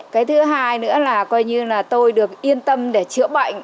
cái thứ hai nữa là coi như là tôi được yên tâm để chữa bệnh